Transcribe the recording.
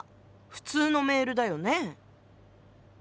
普通のメールだよね。